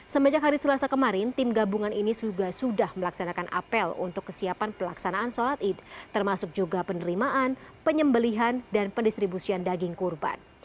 semenjak hari selasa kemarin tim gabungan ini juga sudah melaksanakan apel untuk kesiapan pelaksanaan sholat id termasuk juga penerimaan penyembelihan dan pendistribusian daging kurban